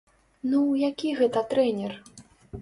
Ну, які гэта трэнер?